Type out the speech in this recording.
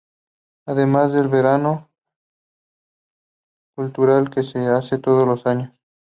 Además del verano cultural que se hace todos los años.